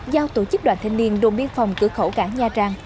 giao tổ chức đoàn thanh niên đồn biên phòng cửa khẩu cảng nha trang